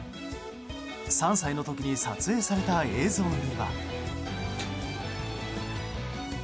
３歳の時に撮影された映像には。